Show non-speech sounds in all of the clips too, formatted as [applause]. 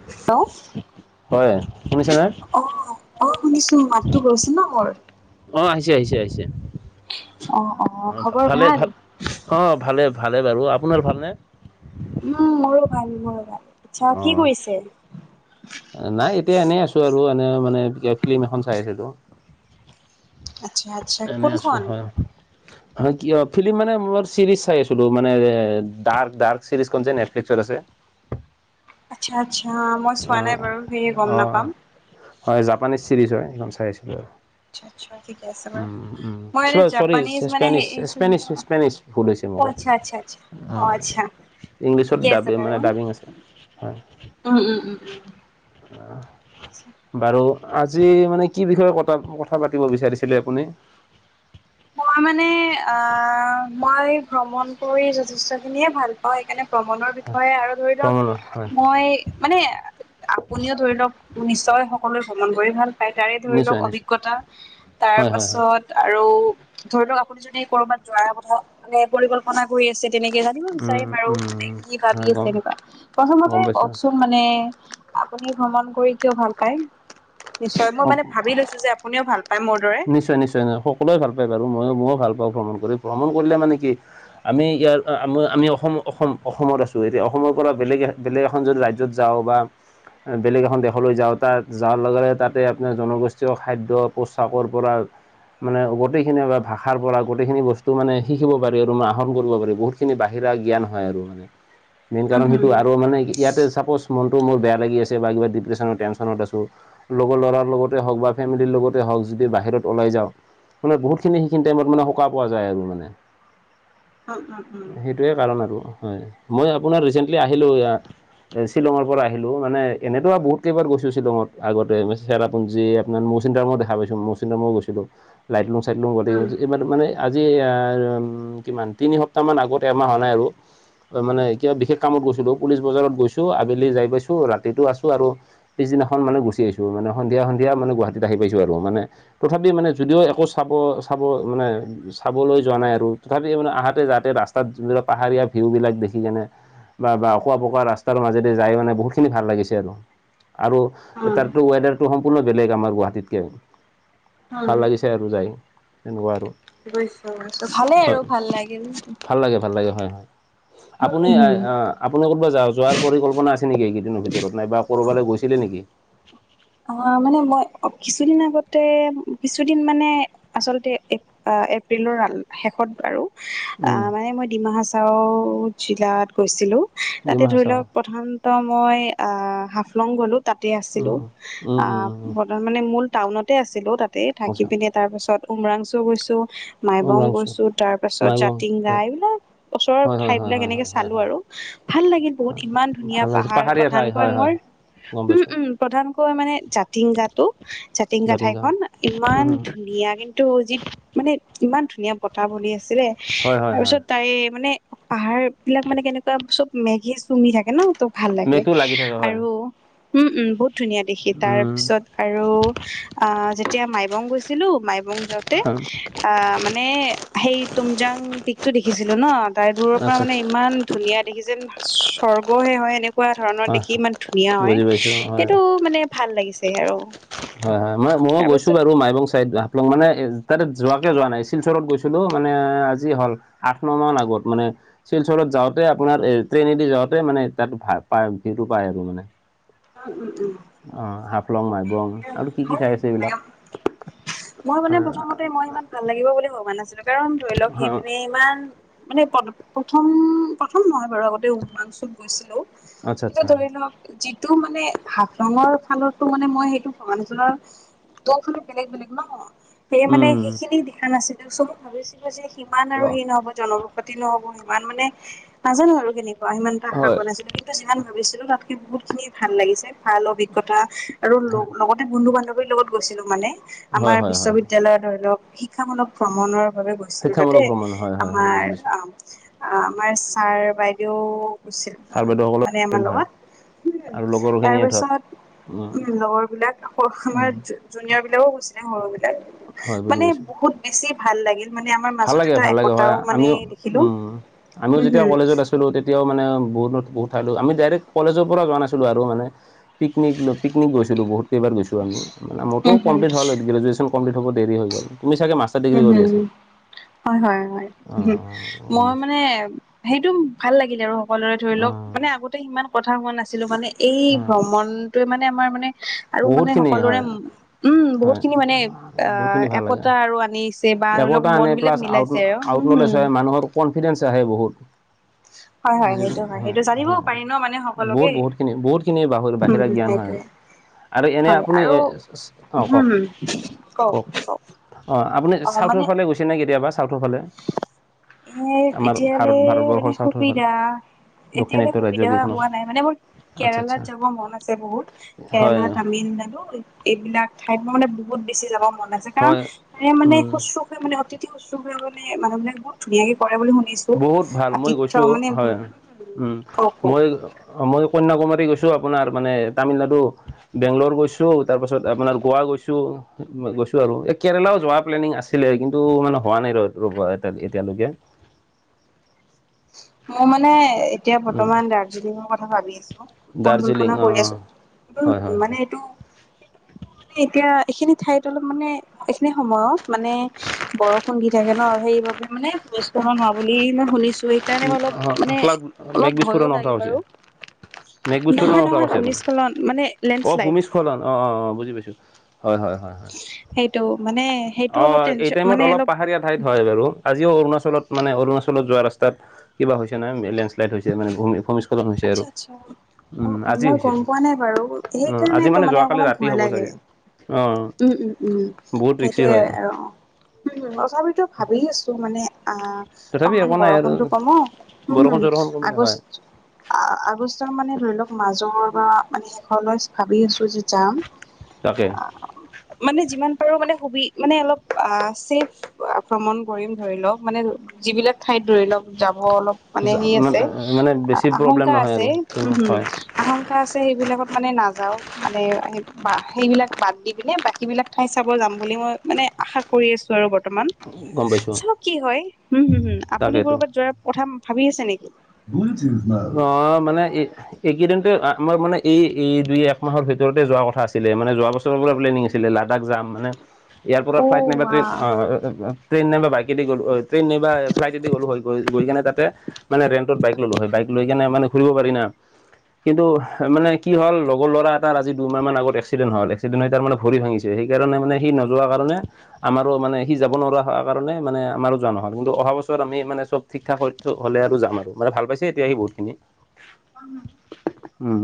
[unintelligible] হয় শুনিছা নে অ অ শুনিছো মাততো গৈছে ন মোৰ অ আহিছে আহিছে আহিছে অ অ অ ভালে ভাল অ ভালে ভালে বাৰু আপোনাৰ ভালনে উম মোৰো ভাল মোৰো ভাল আচ্ছা অ কি কৰিছে নাই এতিয়া এনেই আছো আৰু এনে মানে ফিল্ম এখন চাই আছিলো আচ্ছা আচ্ছা এনেই আছোঁ কোনখন? হয় হ কি অ ফিল্ম মানে ম চিৰিজ চাই আছিলো মানে ডাৰ্ক ডাৰ্ক চিৰিজ খন যে নেট ত আছে আচছা আচ্ছা মই চোৱা অ নাই বাৰু সেয়ে গম অ নাপাম হয় জাপানিজ চিৰিজ হয় সেইখন চাই আছিলোঁ আৰু আচ্ছা আচ্ছা ঠিকে আছে বাৰু, উম্ উম উম্ মই এনে চ'ৰি জাপানীজ মানে হে স্পেনিছ অ', স্পেনিছ স্পেনিছ ফুল হৈছে মোকত আচ্ছা আচ্ছা আচ্ছা অ', উম্ আচ্ছা ইংলিছত ঠিকে আছে দাবি বাৰু মানে ডাবিং উম, আছে হয় উম, উম, উম। বাৰু আজি মানে কি বিষয়ে কথা কথা পাতিব বিচাৰিছে চিলে আপুনি মই মানে আহ মই ভ্ৰমণ কৰি যথেষ্টখিনিয়ে ভাল পাওঁ সেইকাৰণে ভ্ৰমণৰ বিষয়ে আৰু ধৰি লওক ভ্ৰমণৰ হয় মই মানে আপুনিও ধৰি লওক নিশ্চয় সকলোৱে ভ্ৰমণ কৰি ভাল পাই তাৰে ধৰি নিশ্চয় লওক নিশ্চয় অভিজ্ঞতা তাৰ হয় হয় হয় পাছত আৰু ধৰি লওক আপুনি যদি ক'ৰবাত যোৱাৰ কথা মানে পৰিকল্পনা কৰি আছে তেনেকে কিনো উম বিচাৰিম আৰু মানে উম কি হয় ভাবি গম আছে এনেকুৱা। গম প্ৰথমতে পাইছো কওকচোন মানে আপুনি ভ্ৰমণ কৰি কিয় ভাল পায়? নিশ্চয়। মই অ মানে ভাবি লৈছো যে আপুনিও ভাল পায় মোৰ দৰে। নিশ্চয় নিশ্চয় [unintelligible] সকলোৱে ভাল পায় বাৰু ময়ো ময়ো ভাল পাওঁ ভ্ৰমণ কৰি। ভ্ৰমণ কৰিলে মানে কি আমি ইয়াৰ আম-আ-আমি অসম-অসম-অসমত আছো এতিয়া অসমৰ পৰা বেলেগ বেলেগ এখন যদি ৰাজ্যত যাওঁ বা বেলেগ এখন দেশলৈ যাওঁ তাত যোৱাৰ লগে লগে তাত এ আপোনাৰ জনগোষ্ঠীয় খাদ্য পোচাকৰ পৰা মানে গোটেইখিনি বা ভাষাৰ পৰা গোইখিনি বস্তু মানে শিকিব পাৰি আৰু মানে আহৰণ কৰিব পাৰি বহুত খিনি বাহিৰা জ্ঞান হয় আৰু মানে মেইন উম কাৰণ হম সেইটো। আৰু মানে ইয়াতে চাপ'জ মনটো মোৰ বেয়া লাগি আছে বা কিবা ডিপ্ৰেশ্যনৰ টেনচনত আছোঁ লগৰ ল'ৰাৰ লগতে হওক বা ফেমিলিৰ লগতে হওক যদি বাহিৰত ওলাই যাওঁ মানে বহুখিনি সিখিনি টাইমত মানে সকা পোৱা যায় আৰু মানে। উম উম উম। সেইটোৱেই কাৰণ আৰু হয়। মই আপোনাৰ ৰিচেণ্টলি আহিলোঁ এয়া শ্বিলঙৰ পৰা আহিলোঁ মানে এনেতো আৰু বহুত কেইবাৰ গৈছোঁ শ্বিলঙত আগত চেৰাপুঞ্জী আপোনাৰ মৌচিনাৰাম দেখা পাইছো মৌচিনাৰামো গৈছিলো লাইটলুং-চাইটলুং উম, গোটেই ইমান মানে আজি এ উম কিমান তিনি সপ্তাহ মান আগত এমাহ হোৱা নাই আৰু মানে এতিয়া বিশেষ কামত গৈছিলো পুলিচ বজাৰত গৈছো আবেলি যাই পাইছো ৰাতিতো আছো আৰু পিছদিনাখন মানে গুচি আহিছো, মানে সন্ধিয়া মানে গুৱাহাটী আহি পাইছো আৰু মানে তথাপি মানে যদিও একো চাব চাব মানে চাবলৈ যোৱা নাই আৰু তথাপি মানে আহাতে যাতে ৰাস্তাত যুনবিল পাহাৰীয়া ভিউবিলাক দেখি কেনে বা বা অকোৱা পকাৱা ৰাস্তাৰ মাজেদি যাই মানে বহুত খিনি ভাল লাগিছে আৰু। আৰু উম, তাতো ৱেডাৰটো সম্পূৰ্ণ বেলেগ আমাৰ গুৱাহাটীতকে, উম, ভাল লাগিছে আৰু যায় তেনেকুৱা আৰু [unintelligible] ভালে হয় আৰু ভাল লাগিল। ভাল লাগে, ভাল লাগে হয় হয়। আপুনি হুম, হুম। আপুনি ক'ৰবাত য যোৱাৰ পৰিকল্পনা আছে নেকি এইকেইদিনৰ ভিতৰত? নাইব ক'ৰবালৈ গৈছিলে নেকি? অ মানে মই কিছুদিন আগতে কিছুদিন মানে আচলতে এ আ এপ্ৰিলৰ শেষত বাৰু অ উম মানে মই ডিমা হাচাও জিলাত গৈছিলো। তাতে ধৰি ডিমাহাচাও লওক প্ৰথান মই আহ হাফলং গলো তাতে আছিলো। উম উম আ উম উম উম ব মানে মূল টাউনতে আছিলো তাতে থাকি আচ্ছা পিনি তাৰ পিছত উমৰাংচু গৈছো মাইবং উমৰাংচু গৈছো, তাৰ পাছত মাইবং জাতিংগা, এইবিলাক ওচৰৰ হয় হয় ঠাই হয় বিলাক হয় এনেকে হয় হয় চালো হয় আৰু ভাল লাগিল বহুত ইমান ধুনীয়া ভাল লাগিছে পাহাৰ, পাহাৰীয়া ঠাই প্ৰধানকৈ হয় মোৰ হয় গম উম পাইছোঁ উম প্ৰধান ক মানে জাতিংগাটো জাতিংগা ঠাইখন ইমান ধুনীয়া কিন্তু এইটো যি মানে ইমান ধুনীয়া বতাহ বলি আছিলে হয় হয় হয় তাৰপিছত তাই মানে পাহাৰ বিলাক মানে কেনেকুৱা চব মেঘে চুমি থাকে ন ত ভাল লাগে মেঘটো লাগি থাকে হয় আৰু উম উম বহুত ধুনীয়া দেখি। তাৰ উম পিছত আৰু আহ যেতিয়া মাইবং গৈছিলো মাইবং যাওঁতে অ মানে সেই তুমজাং পিকতটো দেখিছিলো ন তাই দূৰৰ পৰা আচ্ছা আচ্ছা মানে ইমান ধুনীয়া দেখি যেন স্বৰ্গহে হয় এনেকুৱা ধৰণৰ হয় দেখি ইমান ধুনীয়া হয়। বুজি পাইছোঁ হয় সেইটো মানে ভাল লাগিছে আৰু। হয় হয় মই ময় গৈছো তাৰপিছত বাৰু মাইবং চাইদ টো মানে এ তাতে যোৱাকে যোৱা নাই শিলচৰত গৈছিলোঁ মানে আজি হ'ল। আঠমাহমান আগত মানে শিলচৰত যাওঁতে আপোনাৰ এ ট্ৰেইনেদি যাওঁতে মানে তাত ভা পায় ভিটো পায় আৰু মানে। উম উম উম। অ', হাফলং, মাইবং আৰু কি কি ঠাই আছে এইবিলাক। মই মানে হয়, প্ৰথমতে মই ইমান ভাল লাগিব বুলি ভবা নাছিলো কাৰণ ধৰি লওক হয়। সিপিনে ইমান মানে প্ৰত প্ৰথম প্ৰথম নহয় বাৰু আগতে উমাংচুত গৈছিলোঁ আচ্ছা আচ্ছা এতিয়া ধৰি লওক যিটো মানে হাফলঙৰ ফালটো মানে মই সেইটো মানুহজনৰ দ ফুল বেলেগ - বেলেগ। ন, সেয়ে মানে উম সেইখিনি দেখা নাছিলো চ ভাবিছিলো যে সিমান আৰু সেই নহব জন পাতি নহ'ব ইমান মানে নাজানো আৰু কেনেকুৱা সিমান এটা খাব হয় নাছিলো কিন্তু তে যিমান ভাবিছিলোঁ তাতকে বহুতখিনি ভাল লাগিছে। ভাল অভিজ্ঞতা আৰু লগ হয় লগতে বন্ধু-বান্ধৱীৰ লগত গৈছিলো মানে। হয় আমাৰ হয় হয় বিশ্ববিদ্যালয়ৰ ধৰি লওক, শিক্ষামূলক ভ্ৰমণৰ বাবে গৈ গৈছিলো শিক্ষামূলক তাতে ভ্ৰমণ হয় হয় হয় আমাৰ বুজি পাইছো আম আ আমাৰ ছাৰ-বাইদেউ ছাৰ গৈছিল বাইদেউসকলৰ মানে আছিল আমাৰ হয় লগত আৰু তাৰ লগৰখিনিয়ে পিছত ধৰ উম উম লগৰবিলাক, হ আমাৰ উম জু জুনিয়ৰবিলাকো গৈছ হয় [inaudible] বুজি মানে পাইছো বহুত বেছি ভাল লাগে। ভাল লাগে ভাল লাগে হয়, আমিও দেখিলো উম, আমিও হম যেতিয়া হম কলেজত আছ ছিলো তেতিয়াও মানে বহুতো বহুত ঠাই লৈ আমি ডাইৰেক্ট কলেজৰ পৰা যোৱা নাছিলো আৰু মানে পিকনিক লৈ পিকনিক গৈছিলোঁ বহুত। কেইবাৰ গৈছো আমি মানে মোৰটো উম হম কমপ্লিট হ'ল গ্ৰেজুৱ্যন কমপ্লিট হ'ব দেৰি হৈ গ'ল, তুমি চাগে মাচ উম হুম, হয় হয় হয়, অঁ উহুম অঁ গম মই পাইছোঁ মানে সেইটো ভাল লাগিল আৰু সকলোৰে ধৰি লওক অঁ মানে আগতে সিমান কথা হোৱা নাছিলো মানে এই হয় ভ্ৰমণটোয়ে মানে আমাৰ মানে আৰু মানে বহুতখিনি সকলোৰে হয় উম, হয় বহুতখিনি মানে আ বহুতখিনি ভাল লাগে একতা আৰু আ ছে বা ধৰি লওক একতা আনে মনবিলাক প্লাছ আউট মিলাইছে আৰু আউট হুম নলেজ হুম হয় মানুহৰ কনফিডেনচ আহে বহুত। [unintelligible] সেইটো যিকোন হয়, সেইটো জানিবও হয়, পাৰি ন মানে সকলোকে বহুত বহুতখিনি বহুতখিনি বা হম বাহিৰা হম জ্ঞান হয় সেইটোয়ে আৰু। আৰু এনে হয় আপুনি আৰু এ, চ, চ, অ হম কওক হম কওক? অ, আপুনি অ চাউথৰ মানে ফালে গৈছে নে কেতিয়াবা চাউথৰ ফালে? এ আমাৰ এতিয়ালে ভাৰত মানে ভাৰতবৰ্ষৰ চাউথৰ ফালে সুবিধা এতিয়ালে দক্ষিণাত্য ৰাজ্য সুবিধা কেইখনৰ হোৱা নাই মানে মোৰ আচ্ছা কেৰালাত আচ্ছা যাব মন আছে বহুত। হয় কেৰেলা, তামিলনাডু। এইবিলাক ঠাইত মোৰ মানে বহুত বেছি যাব মন আছে কাৰণ হয় তাৰে মানে উম কৈছ টো হয় মানে অতিথি শুশ্ৰূষা মানে মানুহবিলাকে বহুত ধুনিয়াকে কৰে বুলি শুনিছো বহুত ভাল মই আতিথ্য গৈছো মানে হয়, বহুত উম, কওকো মই অ, মই কন্যাকুমাৰী গৈছো আপোনাৰ মানে তামিলনাডু বেংলৰ গৈছো তাৰপাছত আপোনাৰ গোৱা গৈছো। ম মই গৈছো আৰু এই কেৰেলাও যোৱাৰ প্লেনিং আছিলে কিন্তু মানে হোৱা নাই ৰ ৰবা এতিয়া এতিয়ালৈকে। মই মানে এতিয়া উম বৰ্তমান দাৰ্জিলিঙৰ কথা ভাবি আছো। দাৰ্জিলিং পৰিকল্পনা অঁ কৰি অঁ আছো, হয় হয় উম হয় মানে এইটো এ এতিয়া এইখিনি ঠাইত অলপ মানে এইখিনি সময়ত মানে বৰষুণ দি থাকে ন' সেইবাবে মানে ভূমিস্খলন হোৱা বুলি মই শুনিছো সেইকাৰণে মই অলপ, মানে, ক্লাউড মেঘ অলপ ভয়ো বিস্ফোৰণৰ কথা লাগে কৈছে বাৰু। মেঘ বিস্ফোৰণৰ নহয়- কথা নহয় কৈছে আপুনি ভূমিস্খলন মানে লেণ্ডশ্লাইড। [unintelligible] অ', অ', অ' বুজি পাইছোঁ হয়, হয়, হয়। হয় সেইটো, মানে সেইটো অ অলপ এই টেনচন টাইমত মানে অলপ পাহাৰীয়া ঠাইত হয় বাৰু, আজিও অৰুণালত মানে অৰুণাচলত যোৱা ৰাস্তা তাত, কিবা হৈছে নহয় মে লেন্ডশ্লাইড হৈছে মানে ভূমি ভূমিস্খলন হৈছে আৰু আচ্ছা- আচ্ছা, উম আজি মই হৈছে গম পোৱা নাই বাৰু, অ আজি সেইকাৰণেতো মানে যোৱাকালি অকণমান ৰাতি ভয় হ'ব লাগে। চাগে অ ওহো, উ, উম, বহুত ৰিক্সি সেইটোৱে হয় আৰু। ওহো, তথাপিতো ভাবি আছোঁ মানে আ তথাপি অকণমান একো নাই আৰু বৰষুণতো বৰষুণ কমক চৰষুণ কমিলে আগ আ- হয় আ- আগষ্ট মানে ধৰি লওক মাজৰ বা মানে শেষৰলৈ ভাবি আছোঁ যে যাম। তাকে, আহ, মানে, যিমান পাৰো মানে, সুবি মানে অলপ চেফ আক্ৰমণ কৰিম, ধৰি লওক, মানে যিবিলাক ঠাইত ধৰি লওক যাব অলপ মানে সেই আছে, মানে বেছি আ- প্ৰব্লেম আশংকা নহয় আছে আৰু হম, হম। হয় আশংকা আছে, সেইবিলাকত মানে নাযাওঁ মানে এ বা সেইবিলাক বাদ দি পিনে, বাকী বিলাক ঠাই চাব যাম বুলি মই মানে, আশা কৰি আছো, আৰু বৰ্তমান। গম পাইছোঁ চাওঁ কি হয়, উম, হম, হম, আপুনি তাকেইতো ক'ৰবাত যোৱাৰ কথা ভাবি আছে নেকি? [unintelligible] অ' মানে এই এইকেইদিনতে আ-মাৰ মানে এই, এই, দুই, এক মাহৰ ভিতৰতে যোৱা কথা আছিলে মানে যোৱা বছৰ চবৰে প্লেনিং আছিলে, লাডাখ যাম মানে, এয়াৰপৰ্টৰ অ ফ্লাইট নাইবা ৱা ট্ৰেইন অ' অ' ট্ৰেইন নাইবা বাইকেদি গ'লো হৈ, ট্ৰেইন নাইবা ফ্লাইটেদি গ'লো হৈ, গৈ গৈ কিনে তাতে মানে ৰেন চব বাইক ল'লো হয়, বাইক লৈ কিনে মানে ঘুৰিব পাৰি না। কিন্তু, এহ, মানে কি হ'ল, লগৰ ল'ৰা এটাৰ আজি দুমাহমান আগত এক্সিডেণ্ট হ'ল, এক্সিডেণ্ট হৈ তাৰ মানে ভৰি ভাঙিছে। সেইকাৰণে মানে সি নোযোৱাৰ কাৰণে আমাৰো মানে, সি যাব নোৱাৰা হোৱা কাৰণে মানে, আমাৰো যোৱা নহ'ল, কিন্তু অহা বছৰ আমি মানে চব ঠিক-ঠাক হয়তো, হ'লে আৰু যাম আৰু মানে, ভাল পাইছে এতিয়া সি বহুতখিনি। উম,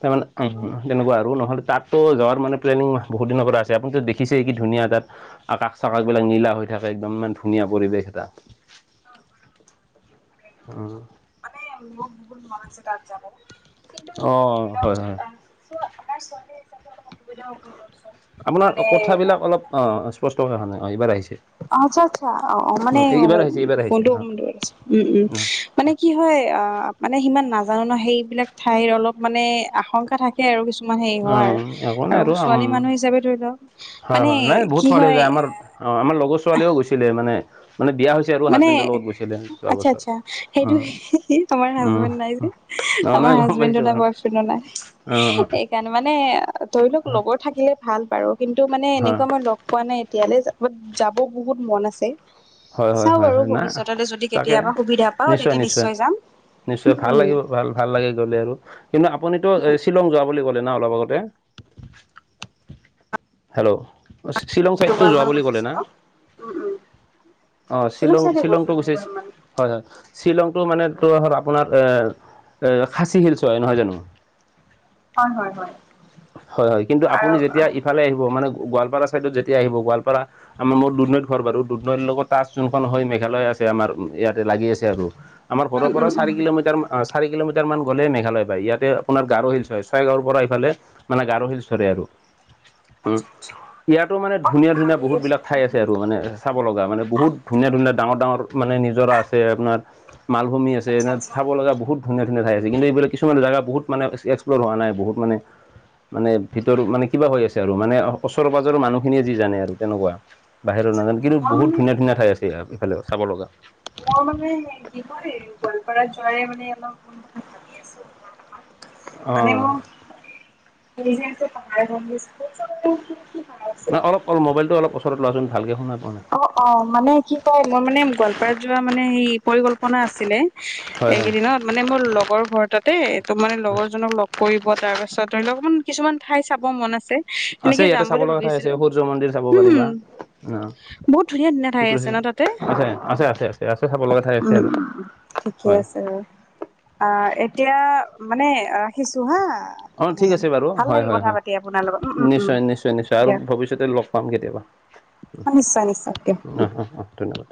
তাৰমানে, উম, তেনেকুৱা আৰু নহ'লে তাততো যোৱাৰ মানে প্লেনিং বহুত দিনৰ পৰা আছে, আপুনিতো দেখিছেই কি ধুনীয়া তাত। আকাশ- চাকাশ বিলাক নীলা হৈ থাকে একদম, ইমান ধুনীয়া পৰিৱেশ এটা। অ', মোক বহুত মন আছে তাত যাব। অ' হয়, হয়। চোৱা, আমাৰ ছোৱালী হিচাপে অলপ অসুবিধা হ'ব দিয়ক। আপোনাৰ অ' কথাবিলাক অলপ অ' স্পষ্টকে অহা নাই অ' এইবাৰ আহিছে। আচ্ছা, আচ্ছা অ', মানে, উম, এইবাৰ উম আহিছে এইবাৰ আহিছে ফোনটো অঁ উম, উম, মানে। কি হয়, অ' মানে সিমান নাজানো ন' সেইবিলাক ঠাই অলপ মানে আশংকা থাকে। আৰু কিছুমান হেৰি হয়, উম, একো নাই আৰু ছোৱালী উম, মানুহ হিচাপে ধৰি লওক হয়, মানে হয়, নাই বহুত কি ছোৱালীও যায় হয় আমাৰ অ' আমাৰ লগৰ ছোৱালীয়েও গৈছিলে মানে, মানে বিয়া হৈছিল। মানে, আচ্ছা, আচ্ছা, সেইটো উম, হি হি তোমাৰ উম, হাজবেণ্ড নাই যে! অ আমাৰ নাই গম হাজব্ৰেণ্ডো পাইছো নাই, বাৰু বয়ফ্ৰেণ্ডো নাই অ সেইকাৰণে। মানে, ধৰি লওক, অ। লগৰ থাকিলে ভাল বাৰু, কিন্তু মানে এনেকুৱা মই লগ পোৱা নাই। তেতিয়ালৈ যাবত যাব বহুত মন আছে। হয়, হয়, চাও হয়, আৰু হয়, না, ভৱিষ্যতলৈ যদি তাকে কেতিয়াবা সুবিধা পাও নিশ্চয়, তেতিয়া নিশ্চয়। যাম নিশ্চয় ভাল উম লাগিব ভাল ভাল লাগে গ'লে আৰু কিন্তু আপুনিতো এ উম শ্বিলং যোৱা বুলি ক'লে ন অলপ আগতে। হেল্ল' শ্বিলং চাইদটো দুবাৰ যোৱা মান বুলি গৈছো ক'লে না। শ্বিলং উম উম অ শ্বিলং চাইডে গৈছো শ্বিলংটো গৈছে। দুবাৰ মান হয় হয় শ্বিলংটো মানে পৰাপক্ষত আপোনাৰ এ এ খাচী হিলছয় নহয় জানো হয় হয় হয় হয় হয় কিন্তু আৰু আপুনি যেতিয়া ইফালে আহিব মানে গোৱালপাৰা ছাইডত যেতিয়া আহিব গোৱালপাৰা। আমাৰ মোৰ দুদনৈত ঘৰ বাৰু দুদনৈৰ লগত তাচ যোনখন হয় মেঘালয় আছে আমাৰ ইয়াতে লাগি আছে। হেল্ল আৰু আমাৰ ঘৰৰ পৰা উম উম উম চাৰি কিলোমিটাৰ মান অ চাৰি কিলোমিটাৰমান গ'লে মেঘালয় পাই ইয়াতে আপোনাৰ গাৰো হিলছয় ছয়গাঁৱৰ পৰা এফালে। মানে গাৰো হিলছয়ে আৰু উম ইয়াতো মানে অ ধুনীয়া ধুনীয়া ভাবি বহুত আছো বিলাক ঠাই আছে। মানে চাব লগা মানে বহুত ধুনীয়া ধুনীয়া ডাঙৰ ডাঙৰ মানে নিজৰা আছে আপোনাৰ মালভূমি আছে। আচ্ছা ট্ৰেইনত চাব আচ্ছা লগা বহুত ধুনীয়া ধুনীয়া ঠাই আছে কিন্তু এফালে। কিছুমান জেগা বহুত মানে এক্সপ্ল' হোৱা নাই বহুত মানে মানে ভিতৰত মানে কিবা হৈ আছে। আৰু মানে ওচৰ পাজৰ মানুহ খিনিয়ে যি জানে আৰু তেনেকুৱা বাহিৰৰ নাজানে মই কিন্তু বহুত মানে ধুনীয়া ধুনীয়া ঠাই আছে। ইয়া সেইফালেও চাব লগা। মই মানে কি কয় গোৱালপাৰাত যোৱাৰে মানে অলপ প্ৰথম কথা ভাবি আছো। মানে অঁ মই [unintelligible] অ অলপ মোবাইলটো অলপ ওচৰত লোৱা চোন ভালকে শুনা পোৱা নাই। অ অ মানে কি কয় মোৰ মানে গোৱালপাৰাত যোৱা মানে সেই পৰিকল্পনা আছিলে হয় হয় এইকেইদিনত মানে মোৰ লগৰ ঘৰ তাতে তোৰ মানে লগৰ জনক লগ কৰিব তাৰ পাছত ধৰি লওক অকমান কিছুমান ঠাই চাব মন আছে আছে সেনেকে ইয়াতে যাম চাব বুলি লগা ঠাই আছে ভাবিছো সূৰ্য মন্দিৰ চাব হুম পাৰিবা অঁ বহুত ধুনীয়া ধুনীয়া ঠাই তোক আছে ৰখি ন তাতে আছে আছে আছে আছে আছে চাব লগা ঠাই আছে উম আৰু ঠিকে হয় আছে বাৰু অ এতিয়া মানে ৰাখিছো হা আ অ মানে ঠিক আছে বাৰু ভাল হয় লাগিল হয় কথা হয় পাতি আপোনাৰ লগত উম উম উম নিশ্চয় নিশ্চয় নিশ্চয় আৰু দিয়ক ভৱিষ্যতে লগ পাম কেতিয়াবা নিশ্চয় নিশ্চয় দিয়ক উম অ অ অ ধন্যবাদ